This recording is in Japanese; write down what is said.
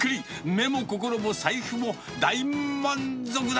目も心も財布も大満足だ。